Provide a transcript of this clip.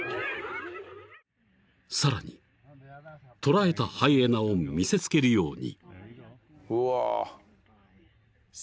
［さらに捉えたハイエナを見せつけるように］